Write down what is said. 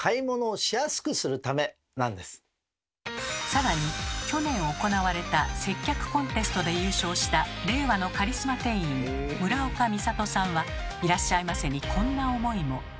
つまりさらに去年行われた接客コンテストで優勝した令和のカリスマ店員村岡美里さんは「いらっしゃいませ」にこんな思いも。